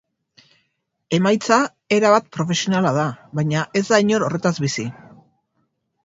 Emaitza erabat profesionala da, baina ez da inor horretaz bizi.